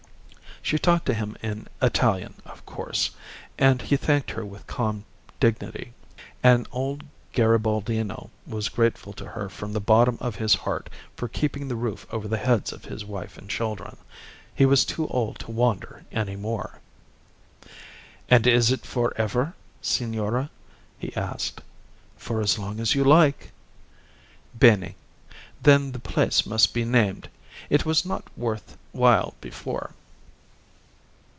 She talked to him in Italian, of course, and he thanked her with calm dignity. An old Garibaldino was grateful to her from the bottom of his heart for keeping the roof over the heads of his wife and children. He was too old to wander any more. "And is it for ever, signora?" he asked. "For as long as you like." "Bene. Then the place must be named, It was not worth while before."